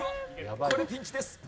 これピンチです。